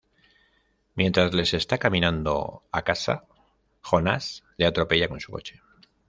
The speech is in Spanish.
Mientras Les está caminando a casa, Jonas le atropella con su coche.